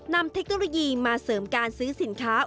เทคโนโลยีมาเสริมการซื้อสินค้า